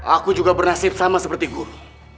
aku juga bernasib sama seperti guru